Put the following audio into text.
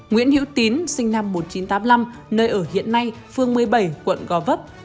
nguyễn hữu tín sinh năm một nghìn chín trăm tám mươi năm nơi ở hiện nay phương một mươi bảy quận gò vấp